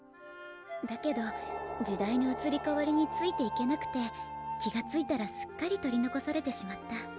だけど時代のうつりかわりについていけなくて気がついたらすっかり取りのこされてしまった。